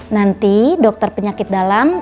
nanti dokter penyakit dalam